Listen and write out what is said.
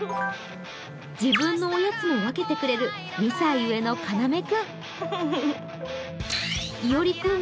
自分のおやつを分けてくれる２歳上のかなめくん。